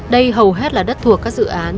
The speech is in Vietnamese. đây hầu hết là đất thuộc các dự án